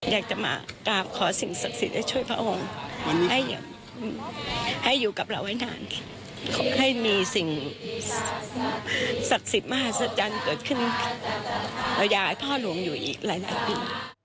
อยากจะมากราบขอสิ่งศักดิ์สิทธิ์ช่วยพระองค์ให้อยู่กับเราให้นานให้มีสิ่งศักดิ์สิทธิ์มหาศักดิ์ที่รอย้ายพ่อโรงอยู่อีกละละปี